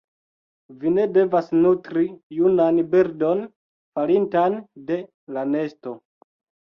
Vi ne devas nutri junan birdon falintan de la nesto.